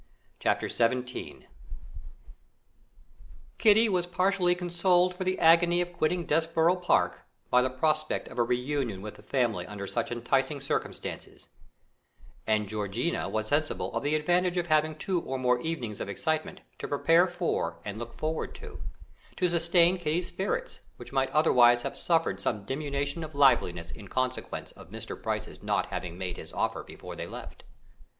Chapter XVII Kitty was partly consoled for the agony of quitting Desborough Park by the prospect of a reunion of the family under such enticing circumstances, and Georgiana was sensible of the advantage of having two or more evenings of excitement to prepare for and look forward to, to sustain Kitty's spirits, which might otherwise have suffered some diminution of liveliness in consequence of Mr. Price's not having made his offer before they left.